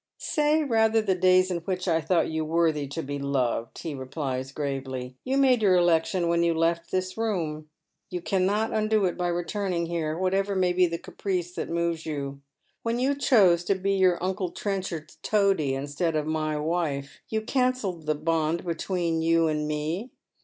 *' Say rather the daj' s in which I thought you worthy to be loved," he replies, gravely. "You made your election when you left this room. You cannot undo it by returning here, whatever may be the caprice that moves you. When you chose to be your uncle Trenchard's toady instead of my wife, you cancelled the bond between you and me.